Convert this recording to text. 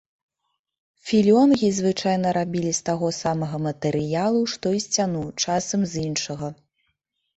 Філёнгі звычайна рабілі з таго самага матэрыялу, што і сцяну, часам з іншага.